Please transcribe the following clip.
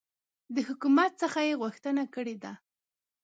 د حکومت څخه یي غوښتنه کړې ده